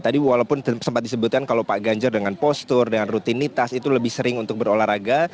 tadi walaupun sempat disebutkan kalau pak ganjar dengan postur dengan rutinitas itu lebih sering untuk berolahraga